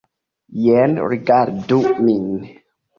Jen, rigardu min.